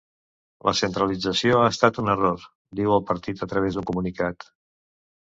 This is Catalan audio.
La centralització ha estat un error, diu el partit a través d’un comunitat.